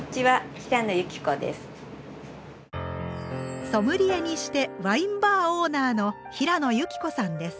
ソムリエにしてワインバーオーナーの平野由希子さんです。